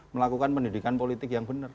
melakukan pendidikan politik yang benar